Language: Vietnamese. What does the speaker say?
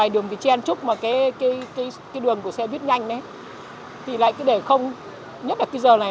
đường quá tốt thì lên cho xe buýt kia đi vào mấy